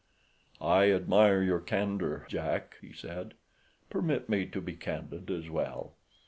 "I admire your candor, Jack," he said. "Permit me to be candid, as well.